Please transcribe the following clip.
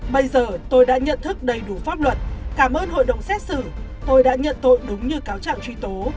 bây giờ tôi đã nhận thức đầy đủ pháp luật cảm ơn hội đồng xét xử tôi đã nhận tội đúng như cáo trạng truy tố